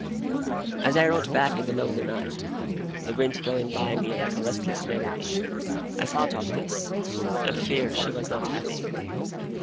As I rode back in the lonely night, the wind going by me like a restless memory, I thought of this, and feared she was not happy.